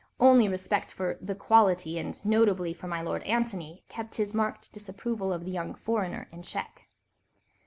Only respect for "the quality," and notably for my Lord Antony, kept his marked disapproval of the young foreigner in check.